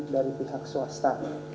dari pihak swasta